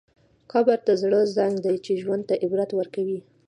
قبر د زړه زنګ دی چې ژوند ته عبرت ورکوي.